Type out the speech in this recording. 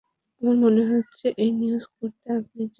আমার মনে হচ্ছে এই নিউজ করতে আপনি চাইবেন।